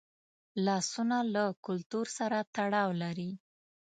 لاسونه له کلتور سره تړاو لري